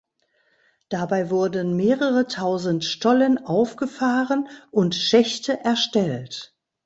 Dabei wurden mehrere tausend Stollen aufgefahren und Schächte erstellt.